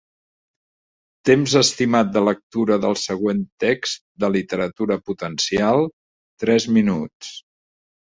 Temps estimat de lectura del següent text de literatura potencial: tres minuts.